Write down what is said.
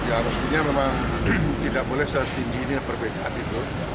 harusnya memang tidak boleh saat tinggi ini perbedaan itu